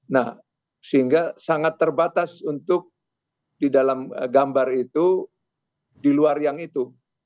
nah sehingga sangat terbatas untuk di dalam gambar itu di luar yang itu